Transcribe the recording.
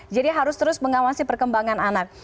jadi harus terus mengawasi perkembangan anak